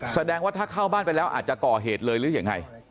แสดงว่าถ้าเข้าบ้านไปแล้วอาจจะก่อเหตุเลยหรือยังไง